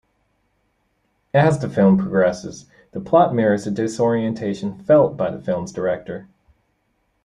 As the film progresses, the plot mirrors the disorientation felt by the film's director.